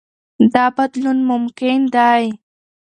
دا بدلون ممکن دی.